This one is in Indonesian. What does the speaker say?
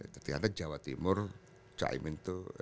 ternyata jawa timur cak imin itu